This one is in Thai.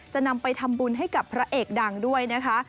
จะนำไปทำบุญให้กับพระเอกดังด้วยนะคะ